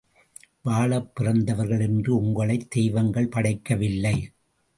வாழப் பிறந்தவர்கள் என்று உங்களை தெய்வங்கள் படைக்கவில்லை.